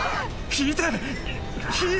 引いて！